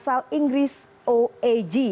asal inggris oag